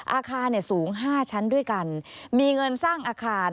อาคารสูง๕ชั้นด้วยกันมีเงินสร้างอาคาร